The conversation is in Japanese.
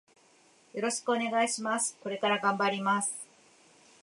よろしくお願いします。これから頑張ります。